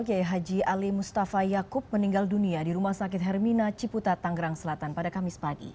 kiai haji ali mustafa yaakub meninggal dunia di rumah sakit hermina ciputa tanggerang selatan pada kamis pagi